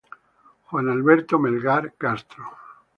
Juan Alberto Melgar Castro.